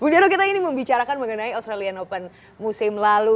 bu diro kita ini membicarakan mengenai australian open musim lalu